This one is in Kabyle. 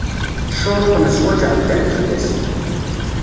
Ccuruṭ n zzwaǧ εeddan tilas.